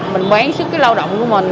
mình bán sức cái lao động của mình